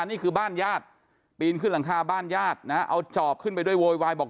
นี่คือบ้านญาติปีนขึ้นหลังคาบ้านญาตินะเอาจอบขึ้นไปด้วยโวยวายบอก